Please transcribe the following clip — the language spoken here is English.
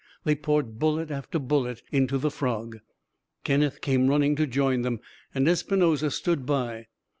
They poured bullet after bullet into the frog. Kenneth came running to join them, and Espinosa stood by.